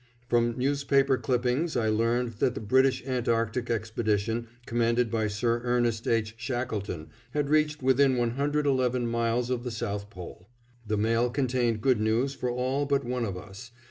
From newspaper clippings I learned that the British Antarctic Expedition, commanded by Sir Ernest H. Shackleton, had reached within 111 miles of the South Pole. The mail contained good news for all but one of us.